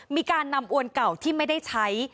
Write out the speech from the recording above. มีการนำอวนเก่าที่ไม่ได้ใช้